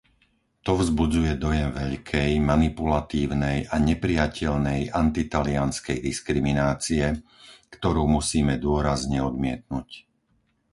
To vzbudzuje dojem veľkej, manipulatívnej a neprijateľnej antitalianskej diskriminácie, ktorú musíme dôrazne odmietnuť!